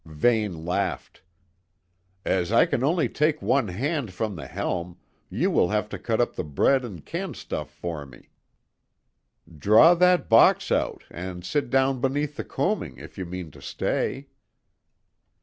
Vane laughed. "As I can only take one hand from the helm, you will have to cut up the bread and canned stuff for me. Draw that box out and sit down beneath the coaming if you mean to stay."